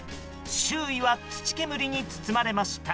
周囲は土煙に包まれました。